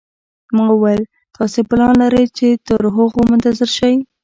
ما وویل: تاسي پلان لرئ چې تر هغو منتظر شئ.